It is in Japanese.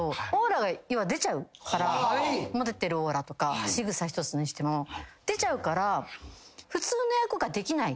モテてるオーラとかしぐさ一つにしても出ちゃうから。